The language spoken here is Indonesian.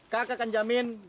kakak akan jamin